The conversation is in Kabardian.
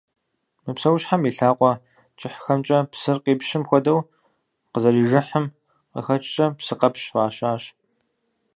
Мы псэущхьэм и лъакъуэ кӀыхьхэмкӀэ псыр къипщым хуэдэу къызэрижыхьым къыхэкӀкӀэ псыкъэпщ фӀащащ.